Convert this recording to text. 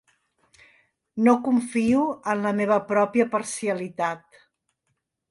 No confio en la meva pròpia parcialitat.